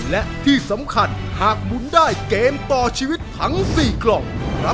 และที่สำคัญหากหมุนได้เกมต่อชีวิตทั้ง๔กล่อง